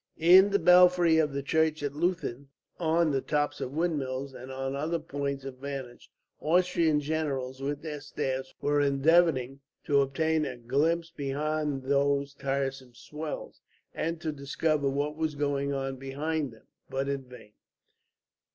In the belfry of the church at Leuthen, on the tops of windmills, and on other points of vantage, Austrian generals with their staffs were endeavouring to obtain a glimpse beyond those tiresome swells, and to discover what was going on behind them, but in vain.